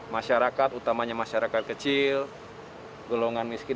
masyarakat utamanya masyarakat kecil golongan miskin